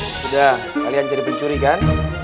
sudah kalian jadi pencuri kan